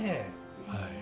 はい。